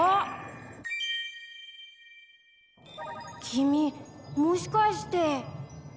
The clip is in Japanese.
君もしかして！